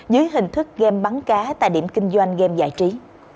dưới hình thức game bắn cá tại điểm kinh doanh game giải trí